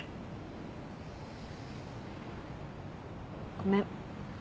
ごめん。